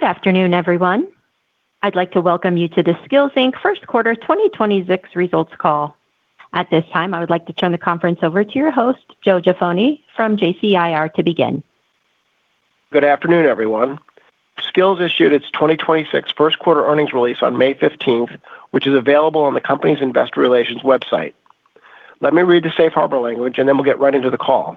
Good afternoon, everyone. I'd like to welcome you to the Skillz Inc. Q1 2026 results call. At this time, I would like to turn the conference over to your host, Joseph Jaffoni from JCIR to begin. Good afternoon, everyone. Skillz issued its 2026 Q1 earnings release on May 15th, which is available on the company's investor relations website. Let me read the safe harbor language, and then we'll get right into the call.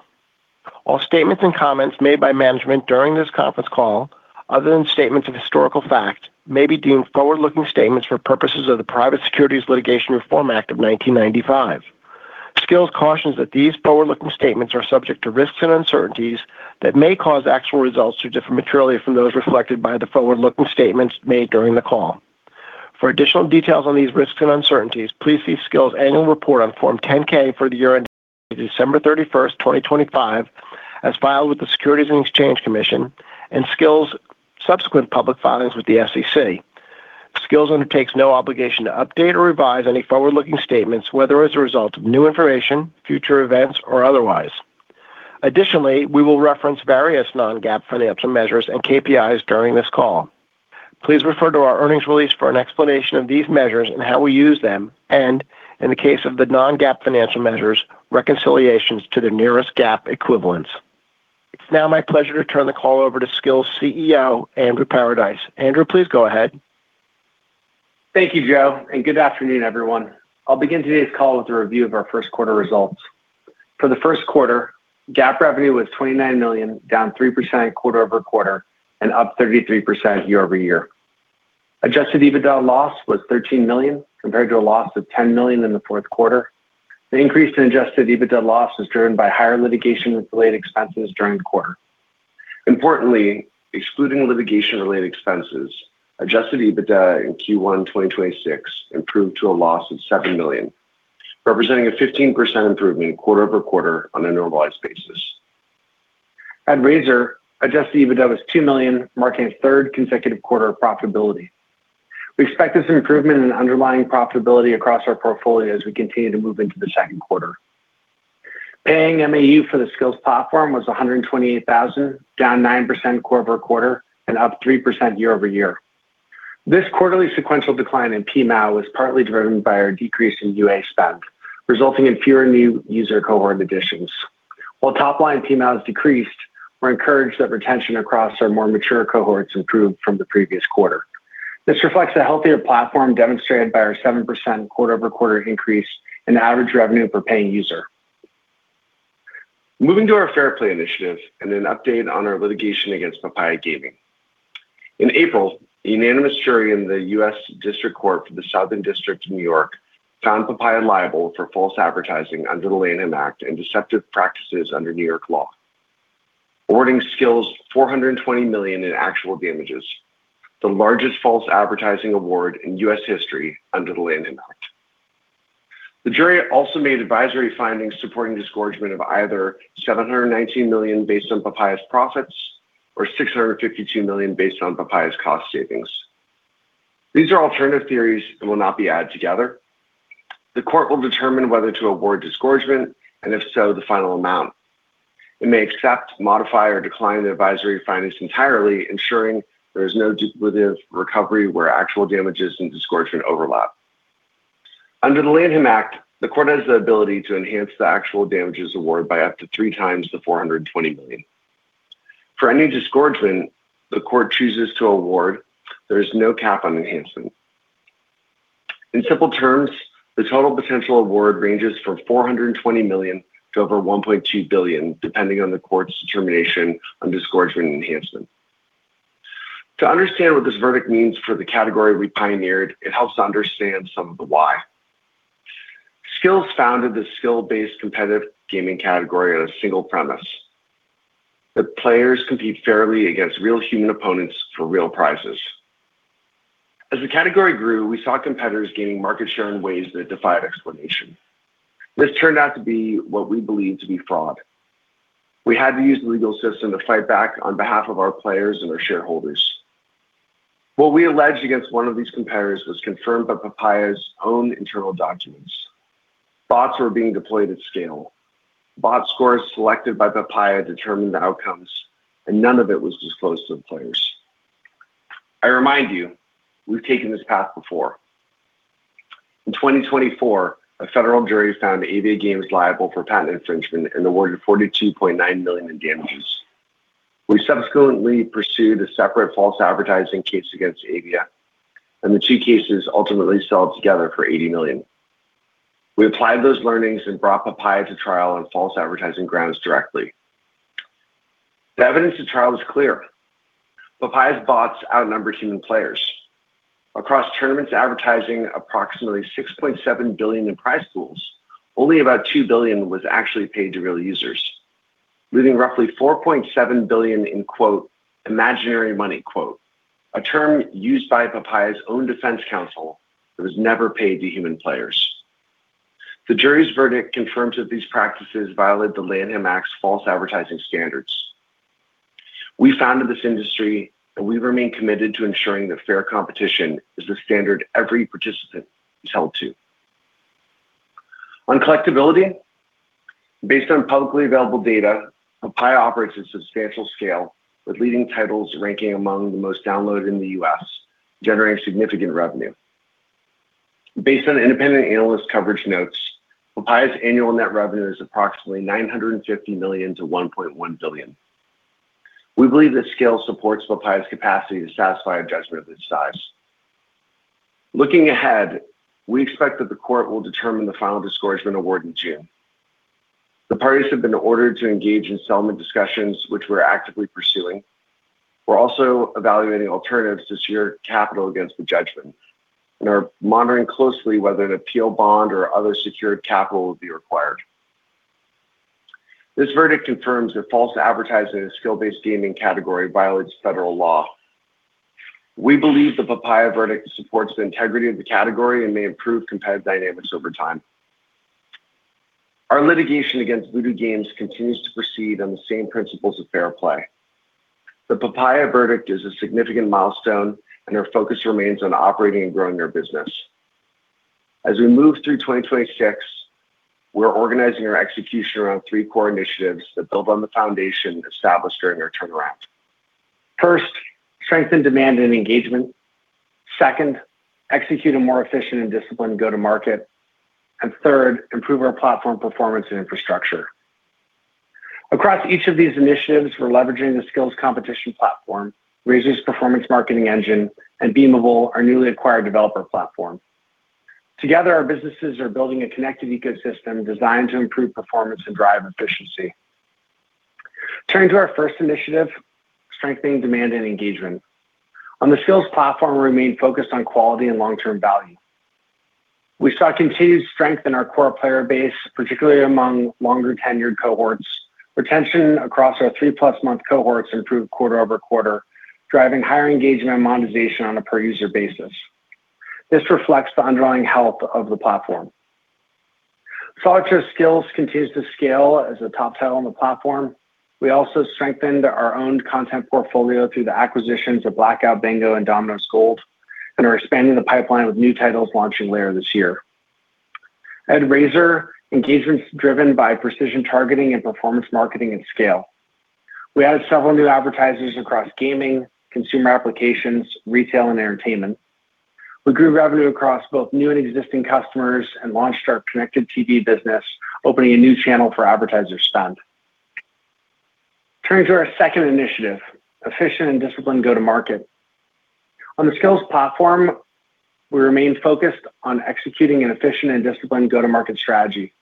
All statements and comments made by management during this conference call, other than statements of historical fact, may be deemed forward-looking statements for purposes of the Private Securities Litigation Reform Act of 1995. Skillz cautions that these forward-looking statements are subject to risks and uncertainties that may cause actual results to differ materially from those reflected by the forward-looking statements made during the call. For additional details on these risks and uncertainties, please see Skillz annual report on Form 10-K for the year ended December 31st, 2025, as filed with the Securities and Exchange Commission and Skillz subsequent public filings with the SEC. Skillz undertakes no obligation to update or revise any forward-looking statements, whether as a result of new information, future events, or otherwise. Additionally, we will reference various non-GAAP financial measures and KPIs during this call. Please refer to our earnings release for an explanation of these measures and how we use them, and in the case of the non-GAAP financial measures, reconciliations to the nearest GAAP equivalents. It's now my pleasure to turn the call over to Skillz CEO, Andrew Paradise. Andrew, please go ahead. Thank you, Joe. Good afternoon, everyone. I'll begin today's call with a review of our Q1 results. For the Q1, GAAP revenue was $29 million, down 3% quarter-over-quarter and up 33% year-over-year. Adjusted EBITDA loss was $13 million, compared to a loss of $10 million in the Q4. The increase in Adjusted EBITDA loss was driven by higher litigation-related expenses during the quarter. Importantly, excluding litigation-related expenses, Adjusted EBITDA in Q1 2026 improved to a loss of $7 million, representing a 15% improvement quarter-over-quarter on a normalized basis. At RZR, Adjusted EBITDA was $2 million, marking a third consecutive quarter of profitability. We expect this improvement in underlying profitability across our portfolio as we continue to move into the Q2. Paying MAU for the Skillz platform was 128,000, down 9% quarter-over-quarter and up 3% year-over-year. This quarterly sequential decline in PMAU was partly driven by our decrease in UA spend, resulting in fewer new user cohort additions. While top-line PMAU has decreased, we're encouraged that retention across our more mature cohorts improved from the previous quarter. This reflects a healthier platform demonstrated by our 7% quarter-over-quarter increase in average revenue per paying user. Moving to our Fair Play Initiative and an update on our litigation against Papaya Gaming. In April, a unanimous jury in the U.S. District Court for the Southern District of New York found Papaya liable for false advertising under the Lanham Act and deceptive practices under New York law, awarding Skillz $420 million in actual damages, the largest false advertising award in U.S. history under the Lanham Act. The jury also made advisory findings supporting disgorgement of either $719 million based on Papaya's profits or $652 million based on Papaya's cost savings. These are alternative theories and will not be added together. The court will determine whether to award disgorgement, and if so, the final amount. It may accept, modify, or decline the advisory findings entirely, ensuring there is no duplicative recovery where actual damages and disgorgement overlap. Under the Lanham Act, the court has the ability to enhance the actual damages award by up to three times the $420 million. For any disgorgement the court chooses to award, there is no cap on enhancement. In simple terms, the total potential award ranges from $420 million to over $1.2 billion, depending on the court's determination on disgorgement and enhancement. To understand what this verdict means for the category we pioneered, it helps to understand some of the why. Skillz founded the skill-based competitive gaming category on a single premise: that players compete fairly against real human opponents for real prizes. As the category grew, we saw competitors gaining market share in ways that defied explanation. This turned out to be what we believe to be fraud. We had to use the legal system to fight back on behalf of our players and our shareholders. What we alleged against one of these competitors was confirmed by Papaya's own internal documents. Bots were being deployed at scale. Bot scores selected by Papaya determined the outcomes, and none of it was disclosed to the players. I remind you; we've taken this path before. In 2024, a federal jury found AviaGames liable for patent infringement and awarded $42.9 million in damages. We subsequently pursued a separate false advertising case against Avia, and the two cases ultimately settled together for $80 million. We applied those learnings and brought Papaya to trial on false advertising grounds directly. The evidence at trial is clear. Papaya's bots outnumber human players. Across tournaments advertising approximately $6.7 billion in prize pools, only about $2 billion was actually paid to real users, leaving roughly $4.7 billion in “imaginary money,” a term used by Papaya’s own defense counsel that was never paid to human players. The jury’s verdict confirms that these practices violate the Lanham Act’s false advertising standards. We founded this industry, and we remain committed to ensuring that fair competition is the standard every participant is held to. On collectability. Based on publicly available data, Papaya operates at substantial scale, with leading titles ranking among the most downloaded in the U.S., generating significant revenue. Based on independent analyst coverage notes, Papaya’s annual net revenue is approximately $950-$1.1 billion. We believe that scale supports Papaya’s capacity to satisfy a judgment of this size. Looking ahead, we expect that the court will determine the final disgorgement award in June. The parties have been ordered to engage in settlement discussions, which we're actively pursuing. We're also evaluating alternatives to secure capital against the judgment and are monitoring closely whether an appeal bond or other secured capital will be required. This verdict confirms that false advertising in a skill-based gaming category violates federal law. We believe the Papaya verdict supports the integrity of the category and may improve competitive dynamics over time. Our litigation against Voodoo continues to proceed on the same principles of fair play. The Papaya verdict is a significant milestone, and our focus remains on operating and growing our business. As we move through 2026, we're organizing our execution around three core initiatives that build on the foundation established during our turnaround. First, strengthen demand and engagement. Second, execute a more efficient and disciplined go-to-market. Third, improve our platform performance and infrastructure. Across each of these initiatives, we're leveraging the Skillz competition platform, RZR's performance marketing engine, and Beamable, our newly acquired developer platform. Together, our businesses are building a connected ecosystem designed to improve performance and drive efficiency. Turning to our first initiative, strengthening demand and engagement. On the Skillz platform, we remain focused on quality and long-term value. We saw continued strength in our core player base, particularly among longer-tenured cohorts. Retention across our three-plus month cohorts improved quarter-over-quarter, driving higher engagement and monetization on a per-user basis. This reflects the underlying health of the platform. Solitaire Skillz continues to scale as a top title on the platform. We also strengthened our owned content portfolio through the acquisitions of Blackout Bingo and Dominoes Gold and are expanding the pipeline with new titles launching later this year. At RZR, engagement is driven by precision targeting and performance marketing at scale. We added several new advertisers across gaming, consumer applications, retail, and entertainment. We grew revenue across both new and existing customers and launched our Connected TV business, opening a new channel for advertiser spend. Turning to our second initiative, efficient and disciplined go-to-market. On the Skillz platform, we remain focused on executing an efficient and disciplined go-to-market strategy.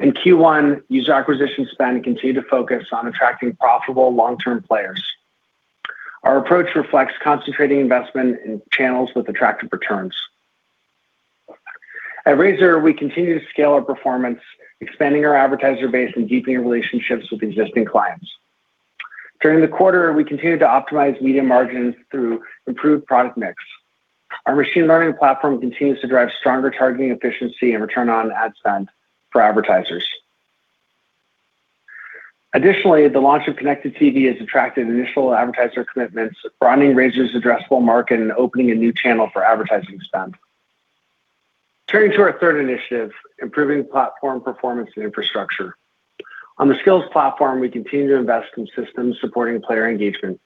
In Q1, user acquisition spends continued to focus on attracting profitable long-term players. Our approach reflects concentrating investment in channels with attractive returns. At RZR, we continue to scale our performance, expanding our advertiser base, and deepening relationships with existing clients. During the quarter, we continued to optimize media margins through improved product mix. Our machine learning platform continues to drive stronger targeting efficiency and return on ad spend for advertisers. Additionally, the launch of Connected TV has attracted initial advertiser commitments, broadening RZR's addressable market, and opening a new channel for advertising spend. Turning to our third initiative, improving platform performance and infrastructure. On the Skillz platform, we continue to invest in systems supporting player engagement.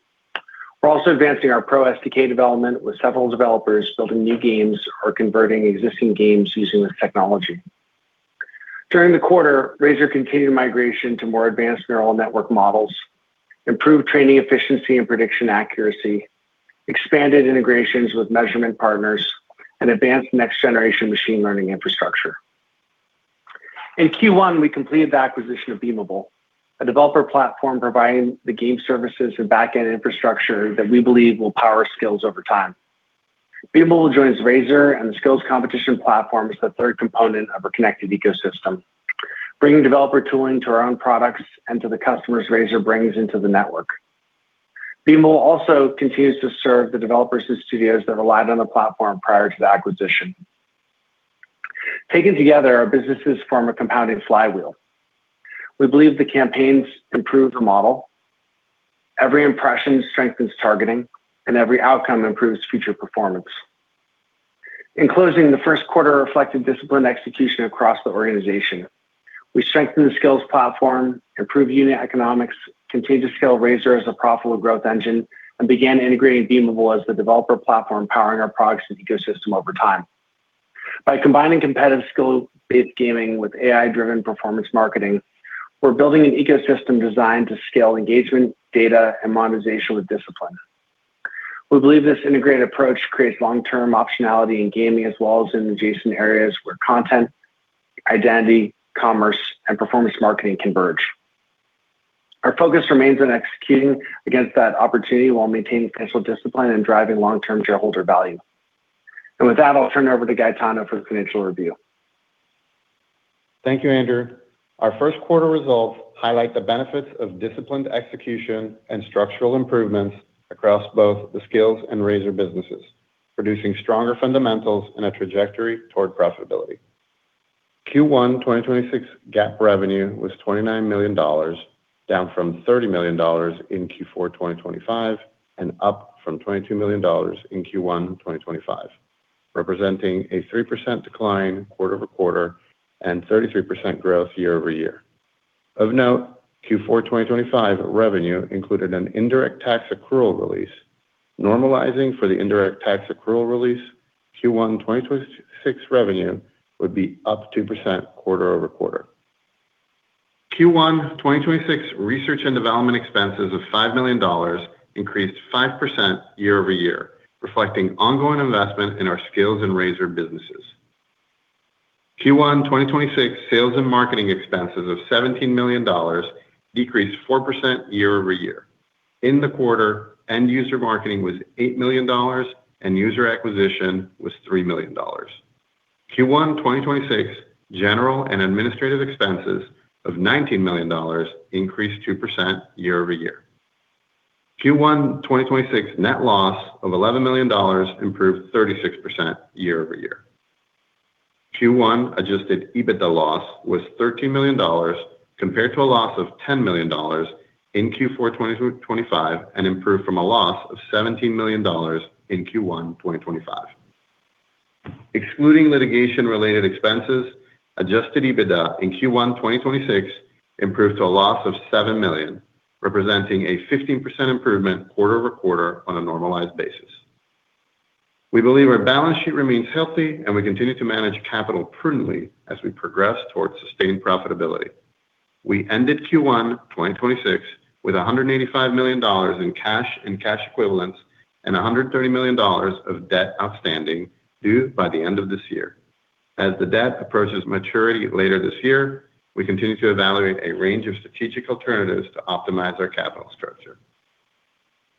We're also advancing our Pro SDK development with several developers building new games or converting existing games using this technology. During the quarter, RZR continued migration to more advanced neural network models, improved training efficiency and prediction accuracy, expanded integrations with measurement partners, and advanced next-generation machine learning infrastructure. In Q1, we completed the acquisition of Beamable, a developer platform providing the game services and backend infrastructure that we believe will power Skillz over time. Beamable joins RZR, and the Skillz competition platform is the third component of our connected ecosystem, bringing developer tooling to our own products and to the customers RZR brings into the network. Beamable also continues to serve the developers and studios that relied on the platform prior to the acquisition. Taken together, our businesses form a compounding flywheel. We believe the campaigns improve the model, every impression strengthens targeting, and every outcome improves future performance. In closing, the Q1 reflected disciplined execution across the organization. We strengthened the Skillz platform, improved unit economics, continued to scale RZR as a profitable growth engine, and began integrating Beamable as the developer platform powering our products and ecosystem over time. By combining competitive skill-based gaming with AI-driven performance marketing, we're building an ecosystem designed to scale engagement, data, and monetization with discipline. We believe this integrated approach creates long-term optionality in gaming as well as in adjacent areas where content, identity, commerce, and performance marketing converge. Our focus remains on executing against that opportunity while maintaining financial discipline and driving long-term shareholder value. With that, I'll turn it over to Gaetano for his financial review. Thank you, Andrew. Our Q1 results highlight the benefits of disciplined execution and structural improvements across both the Skillz and RZR businesses, producing stronger fundamentals and a trajectory toward profitability. Q1 2026 GAAP revenue was $29 million, down from $30 million in Q4 2025, and up from $22 million in Q1 2025, representing a 3% decline quarter-over-quarter and 33% growth year-over-year. Of note, Q4 2025 revenue included an indirect tax accrual release. Normalizing for the indirect tax accrual release, Q1 2026 revenue would be up 2% quarter-over-quarter. Q1 2026 research and development expenses of $5 million increased 5% year-over-year, reflecting ongoing investment in our Skillz and RZR businesses. Q1 2026 sales and marketing expenses of $17 million decreased 4% year-over-year. In the quarter, end user marketing was $8 million and user acquisition was $3 million. Q1 2026 general and administrative expenses of $19 million increased 2% year-over-year. Q1 2026 net loss of $11 million improved 36% year-over-year. Q1 Adjusted EBITDA loss was $13 million compared to a loss of $10 million in Q4 2025 and improved from a loss of $17 million in Q1 2025. Excluding litigation related expenses, Adjusted EBITDA in Q1 2026 improved to a loss of $7 million, representing a 15% improvement quarter-over-quarter on a normalized basis. We believe our balance sheet remains healthy, and we continue to manage capital prudently as we progress towards sustained profitability. We ended Q1 2026 with $185 million in cash and cash equivalents and $130 million of debt outstanding due by the end of this year. As the debt approaches maturity later this year, we continue to evaluate a range of strategic alternatives to optimize our capital structure.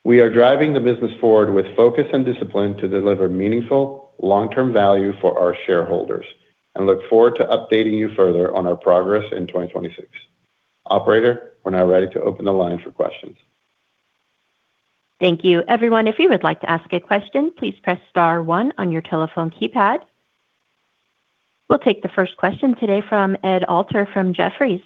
We are driving the business forward with focus and discipline to deliver meaningful long-term value for our shareholders and look forward to updating you further on our progress in 2026. Operator, we're now ready to open the line for questions. Thank you. Everyone, if you would like to ask a question, please press star one on your telephone keypad. We'll take the first question today from Ed Alter from Jefferies.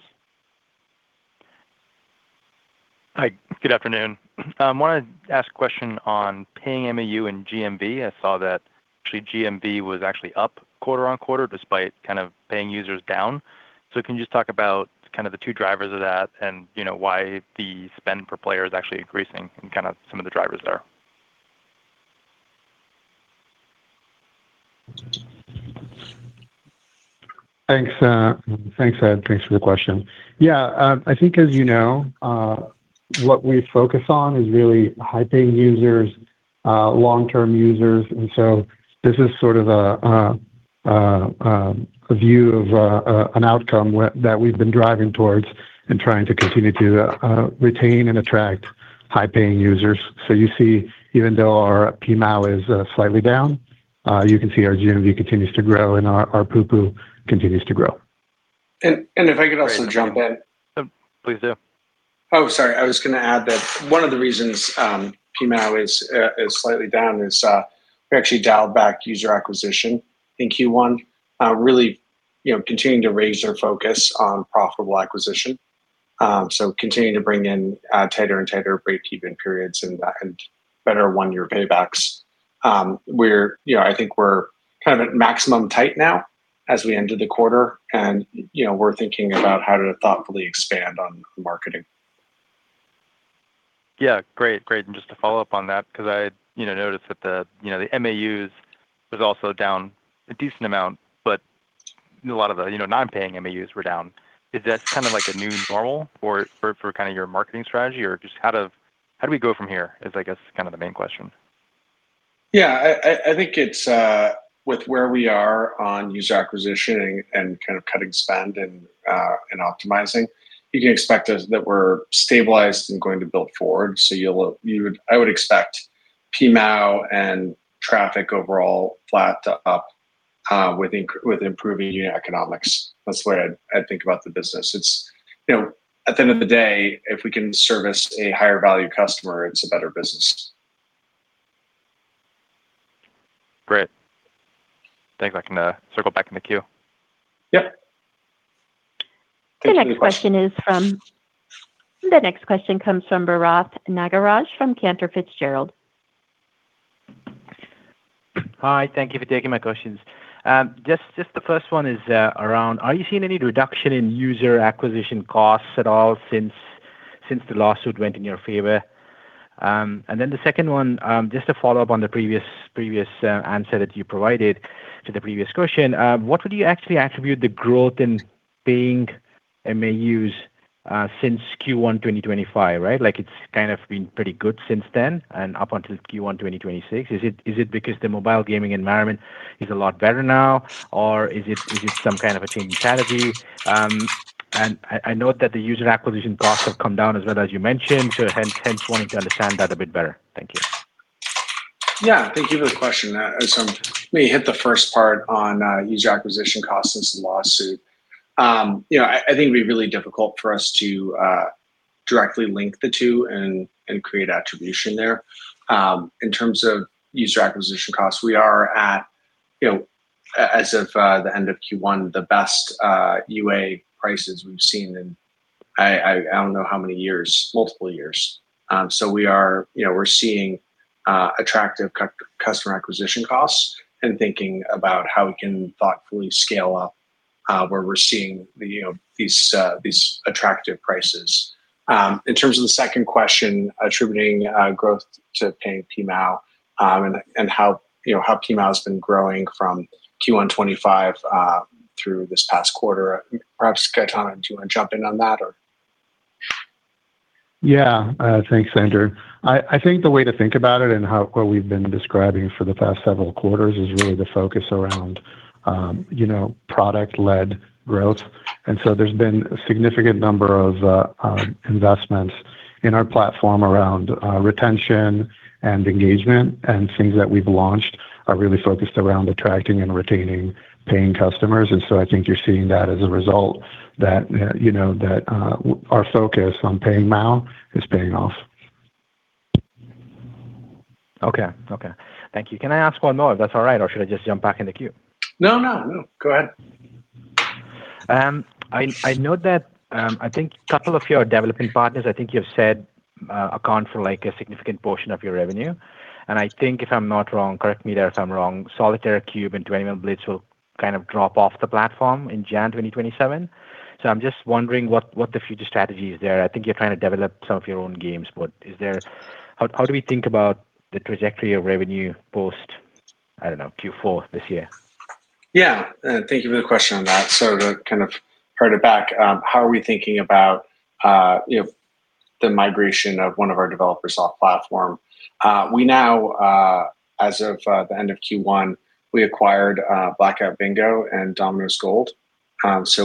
Hi, good afternoon. I wanted to ask a question on paying MAU and GMV. I saw that actually GMV was actually up quarter-on-quarter despite kind of paying users down. Can you just talk about kind of the two drivers of that and, you know, why the spend per player is actually increasing and kind of some of the drivers there? Thanks, thanks, Ed. Thanks for the question. I think as you know, what we focus on is really high-paying users, long-term users. This is sort of a view of an outcome that we've been driving towards and trying to continue to retain and attract high-paying users. You see, even though our PMAU is slightly down, you can see our GMV continues to grow and our ARPU continues to grow. If I could also jump in. Please do. Oh, sorry. I was going to add that one of the reasons, PMAU is slightly down we actually dialed back user acquisition in Q1, really, you know, continuing to raise our focus on profitable acquisition. Continuing to bring in tighter and tighter break-even periods and better one-year paybacks. We're, you know, I think we're kind of at maximum tight now as we ended the quarter and, you know, we're thinking about how to thoughtfully expand on marketing. Yeah, great. Great. Just to follow up on that, because I, you know, noticed that the, you know, the MAUs was also down a decent amount. A lot of the, you know, non-paying MAUs were down. Is this kind of like a new normal for kind of your marketing strategy or just how do we go from here is I guess kind of the main question? Yeah. I think it's with where we are on user acquisition and kind of cutting spend and optimizing, you can expect that we're stabilized and going to build forward. I would expect PMAU and traffic overall flat to up with improving unit economics. That's the way I'd think about the business. It's, you know, at the end of the day, if we can service a higher value customer, it's a better business. Great. Think I can circle back in the queue. Yep. The next question is from. Thank you for the question. The next question comes from Bharath Nagaraj from Cantor Fitzgerald. Hi, thank you for taking my questions. Just the first one is around, are you seeing any reduction in user acquisition costs at all since the lawsuit went in your favor? The second one, just to follow up on the previous answer that you provided to the previous question. What would you actually attribute the growth in paying MAUs since Q1 2025, right? Like it's kind of been pretty good since then and up until Q1 2026. Is it because the mobile gaming environment is a lot better now or is it some kind of a change in strategy? I note that the user acquisition costs have come down as well, as you mentioned, so hence wanting to understand that a bit better. Thank you. Thank you for the question. Let me hit the first part on user acquisition costs and lawsuit. You know, I think it'd be really difficult for us to directly link the two and create attribution there. In terms of user acquisition costs, we are at, you know, as of the end of Q1, the best UA prices we've seen in I don't know how many years. Multiple years. We are, you know, we're seeing attractive customer acquisition costs and thinking about how we can thoughtfully scale up where we're seeing the, you know, these attractive prices. In terms of the second question, attributing growth to paying PMAU, and how, you know, how PMAU's been growing from Q1 2025 through this past quarter, perhaps, Gaetan, do you want to jump in on that or? Yeah. Thanks, Andrew. I think the way to think about it and how what we've been describing for the past several quarters are really the focus around, you know, product-led growth. There's been a significant number of investments in our platform around retention and engagement, and things that we've launched are really focused around attracting and retaining paying customers. I think you're seeing that as a result that, you know, that our focus on paying MAU is paying off. Okay. Okay. Thank you. Can I ask one more if that's all right, or should I just jump back in the queue? No. Go ahead. I know that I think couple of your developing partners, I think you've said, account for, like, a significant portion of your revenue, and I think if I'm not wrong, correct me there if I'm wrong, Solitaire Cube and 21 Blitz will kind of drop off the platform in January 2027. I'm just wondering what the future strategy is there. I think you're trying to develop some of your own games, how do we think about the trajectory of revenue post, I don't know, Q4 this year? Thank you for the question on that. To kind of parrot back, how are we thinking about, you know, the migration of one of our developers off platform. We now, as of the end of Q1, we acquired Blackout Bingo and Dominoes Gold.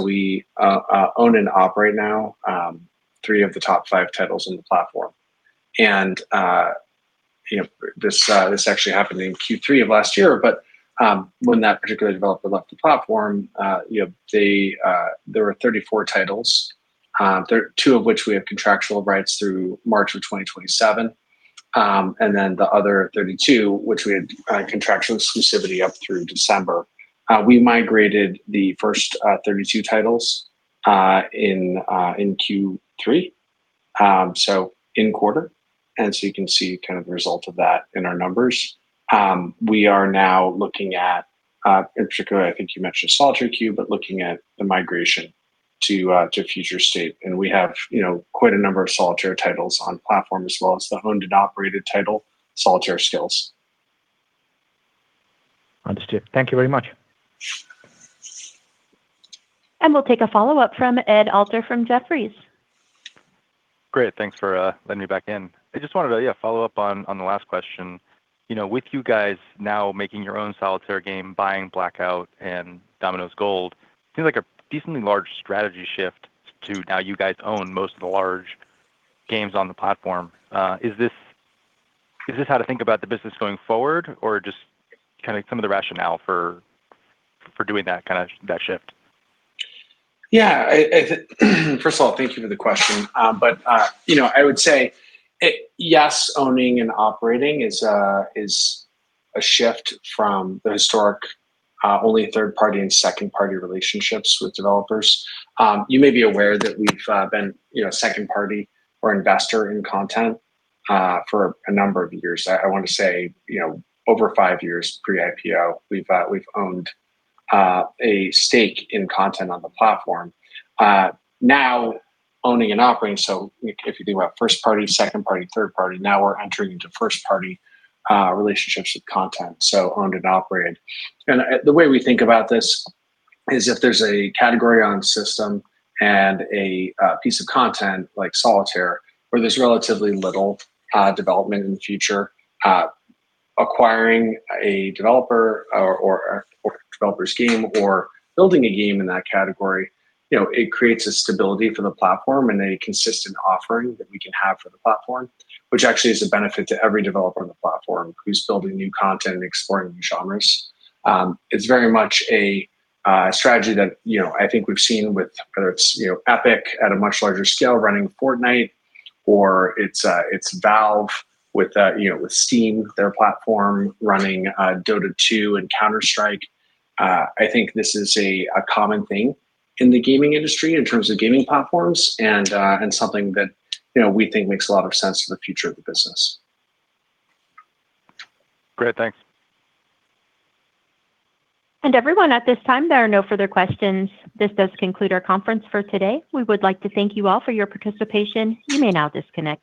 We own and operate now three of the top five titles in the platform. You know, this actually happened in Q3 of last year, when that particular developer left the platform, you know, they, there were 34 titles, two of which we have contractual rights through March of 2027. The other 32, which we had contractual exclusivity up through December. We migrated the first 32 titles in Q3. In quarter, you can see kind of the result of that in our numbers. We are now looking at, in particular, I think you mentioned Solitaire Cube, but looking at the migration to future state, and we have, you know, quite a number of Solitaire titles on platform, as well as the owned and operated title, Solitaire Skillz. Understood. Thank you very much. We'll take a follow-up from Ed Alter from Jefferies. Great. Thanks for letting me back in. I just wanted to, yeah, follow up on the last question. You know, with you guys now making your own Solitaire game, buying Blackout Bingo and Dominoes Gold, seems like a decently large strategy shift to now you guys own most of the large games on the platform. Is this how to think about the business going forward, or just kind of some of the rationale for doing that, kind of that shift? Yeah. First of all, thank you for the question. You know, I would say it Yes, owning and operating is a shift from the historic, only third-party and second-party relationships with developers. You may be aware that we've been, you know, second party or investor in content for a number of years. I want to say, you know, over five years pre-IPO, we've owned a stake in content on the platform. Now owning and operating, so if you think about first party, second party, third party, now we're entering into first party relationships with content, so owned and operated. The way we think about this is if there's a category on the system and a piece of content like Solitaire where there's relatively little development in the future, acquiring a developer or a developer's game or building a game in that category, you know, it creates a stability for the platform and a consistent offering that we can have for the platform, which actually is a benefit to every developer on the platform who's building new content and exploring new genres. It's very much a strategy that, you know, I think we've seen with whether it's, you know, Epic at a much larger scale running Fortnite or it's Valve with, you know, with Steam, their platform running Dota 2 and Counter-Strike. I think this is a common thing in the gaming industry in terms of gaming platforms and something that, you know, we think makes a lot of sense for the future of the business. Great. Thanks. Everyone, at this time, there are no further questions. This does conclude our conference for today. We would like to thank you all for your participation. You may now disconnect.